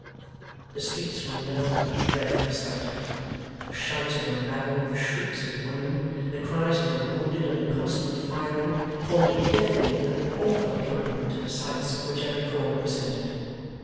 The streets were now a dreadful spectacle. The shouts of the rabble, the shrieks of women, the cries of the wounded, and the constant firing, formed a deafening and an awful accompaniment to the sights which every corner presented.